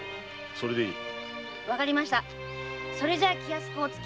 それがいい。